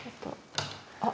あ！